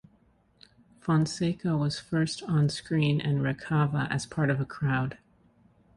Fonseka was first on-screen in "Rekava" as part of a crowd.